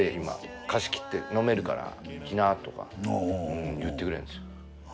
今貸し切って飲めるから来なとか言ってくれるんですよ。